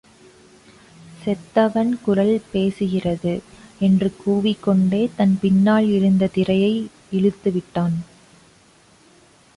செத்தவன் குரல் பேசுகிறது! என்று கூவிக்கொண்டே தன் பின்னால் இருந்த திரையை இழுத்து விட்டான்.